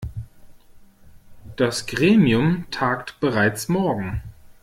Das Gremium tagt bereits morgen.